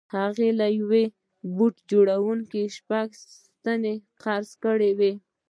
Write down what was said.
هغه له یوه بوټ جوړوونکي شپږ سنټه قرض کړي وو